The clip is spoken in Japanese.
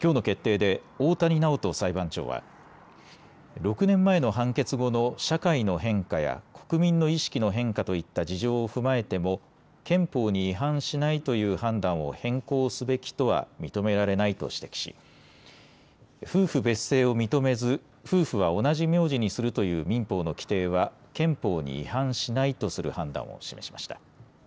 きょうの決定で大谷直人裁判長は６年前の判決後の社会の変化や国民の意識の変化といった事情を踏まえても憲法に違反しないという判断を変更すべきとは認められないと指摘し夫婦別姓を認めず、夫婦は同じ名字にするという民法の規定は憲法に違反しないとする判断を示しました。